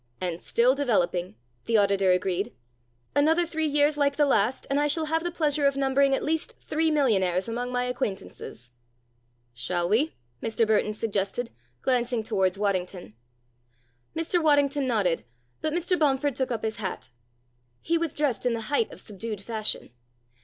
"And still developing," the auditor agreed. "Another three years like the last and I shall have the pleasure of numbering at least three millionaires among my acquaintances." "Shall we ?" Mr. Burton suggested, glancing towards Waddington. Mr. Waddington nodded, but Mr. Bomford took up his hat. He was dressed in the height of subdued fashion.